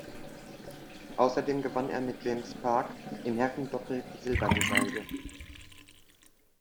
Außerdem gewann er mit James Parke im Herrendoppel die Silbermedaille.